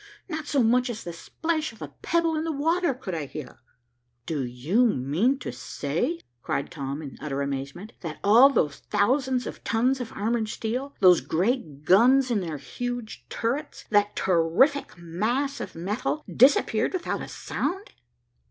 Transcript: Not so much as the splash of a pebble in the water could I hear." "Do you mean to say," cried Tom, in utter amazement, "that all those thousands of tons of armored steel, those great guns in their huge turrets, that terrific mass of metal, disappeared without a sound?"